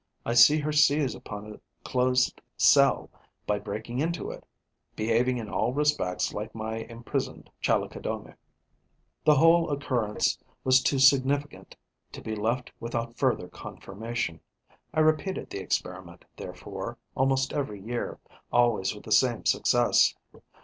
I see her seize upon a closed cell by breaking into it, behaving in all respects like my imprisoned Chalicodomae. The whole occurrence was too significant to be left without further confirmation. I repeated the experiment, therefore, almost every year, always with the same success.